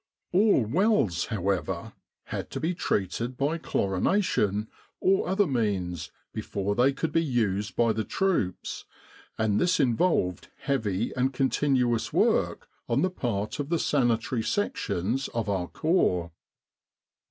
All wells, however, had to be treated by chlorination, or other means, before they could be used by the troops, and this involved heavy and con tinuous work on the part of the Sanitary Sections of our Corps.